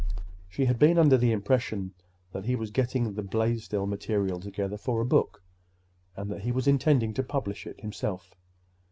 She had been under the impression that he was getting the Blaisdell material together for a book, and that he was intending to publish it himself.